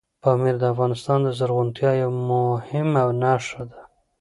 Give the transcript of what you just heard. پامیر د افغانستان د زرغونتیا یوه مهمه نښه ده.